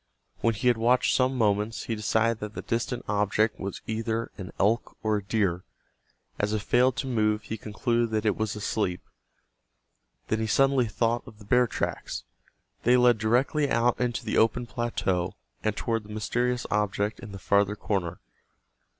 When he had watched some moments he decided that the distant object was either an elk or a deer. As it failed to move he concluded that it was asleep. Then he suddenly thought of the bear tracks. They led directly out into the open plateau, and toward the mysterious object in the farther corner.